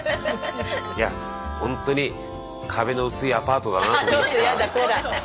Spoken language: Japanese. いやほんとに壁の薄いアパートだなと思いました。